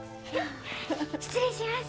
失礼します。